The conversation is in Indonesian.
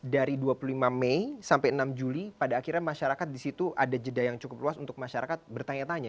dari dua puluh lima mei sampai enam juli pada akhirnya masyarakat disitu ada jeda yang cukup luas untuk masyarakat bertanya tanya